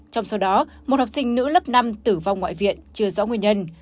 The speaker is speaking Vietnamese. trong số đó một học sinh nữ lớp năm tử vong ngoại viện chưa rõ nguyên nhân